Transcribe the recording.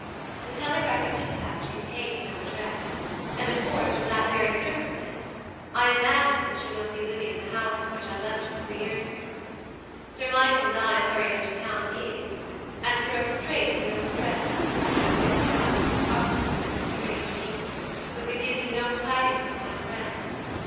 The telegraphic dispatch contained no address, and of course, from that very circumstance, I imagined that she must be living in the house in which I left her three years ago. Sir Michael and I hurried up to town immediately, and drove straight to the old address. The house was occupied by strange people, who could give me no tidings of my friend.